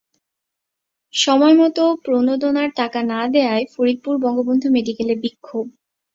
সময়মতো প্রণোদনার টাকা না দেওয়ায় ফরিদপুরের বঙ্গবন্ধু মেডিকেলে বিক্ষোভ